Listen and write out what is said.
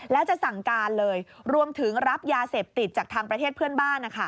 แล้วจะสั่งการเลยรวมถึงรับยาเสพติดจากทางประเทศเพื่อนบ้าน